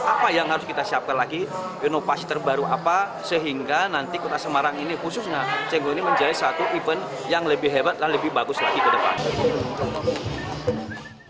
apa yang harus kita siapkan lagi inovasi terbaru apa sehingga nanti kota semarang ini khususnya cengho ini menjadi satu event yang lebih hebat dan lebih bagus lagi ke depan